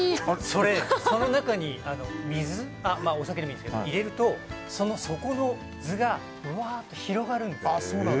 それ、その中に水お酒でもいいんですけど入れるとその底の図がうわっと広がるんです。